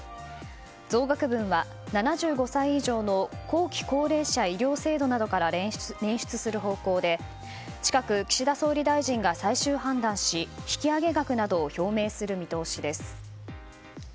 増額分は７５歳以上の後期高齢者医療制度などからねん出する方向で近く岸田総理大臣が最終判断し引き上げ額などを表明する見通しです。